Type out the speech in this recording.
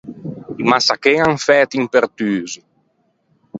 I massachen an fæto un pertuso.